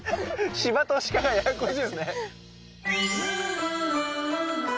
シバとシカがややこしいですね。